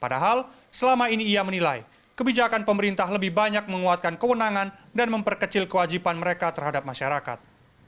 padahal selama ini ia menilai kebijakan pemerintah lebih banyak menguatkan kewenangan dan memperkecil kewajiban mereka terhadap masyarakat